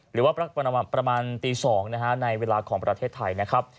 หรือว่าประมาณตี๒นะฮะในเวลาของประเทศไทยนะครับ